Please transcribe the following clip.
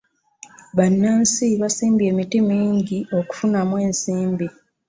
Bannansi basimbye emiti mingi okufunamu ensimbi.